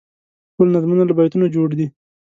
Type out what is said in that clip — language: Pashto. ټول نظمونه له بیتونو جوړ دي.